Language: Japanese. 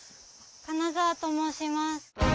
金澤と申します。